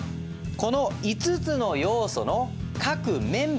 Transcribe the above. この５つの要素の各メンバー